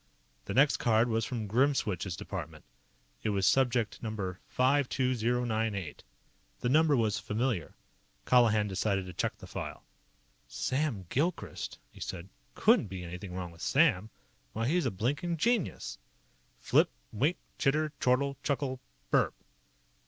The next card was from Grimswitch's department. It was Subject #52098. The number was familiar. Colihan decided to check the file. "Sam Gilchrist," he said. "Couldn't be anything wrong with Sam. Why, he's a blinkin' genius!" Flip. Wink. Chitter. Chortle. Chuckle. BURP!